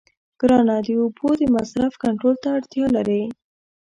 کرنه د اوبو د مصرف کنټرول ته اړتیا لري.